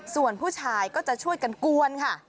ส่วนผู้ชายก็จะช่วยกันกวนค่ะ